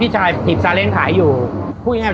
ใช่ใช่